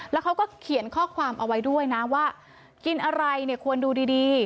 แล้วเขาก็เขียนข้อความเอาไว้ด้วยนะว่ากินอะไรเนี่ยควรดูดี